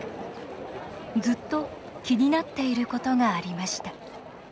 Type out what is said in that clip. ずっと気になっていることがありました。